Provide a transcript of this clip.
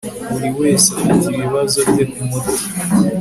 buri wese afite ibibazo bye k'umuti